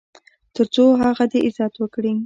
تر څو هغه دې عزت وکړي .